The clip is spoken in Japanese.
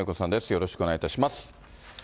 よろしくお願いします。